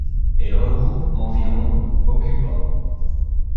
Elle regroupe environ occupants.